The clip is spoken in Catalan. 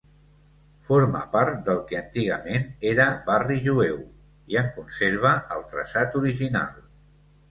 Forma part del que antigament era barri jueu i en conserva el traçat original.